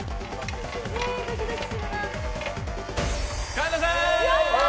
神田さん！